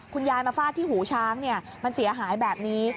คุณยายมาฟาดที่หูช้างมันเสียหายแบบนี้